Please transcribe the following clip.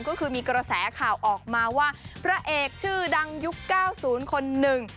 ก็คือมีกระแสข่าวออกมาว่าพระเอกชื่อดังยุค๙๐คนหนึ่ง